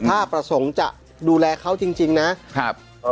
ถ้าประสงค์จะดูแลเขาจริงนะครับ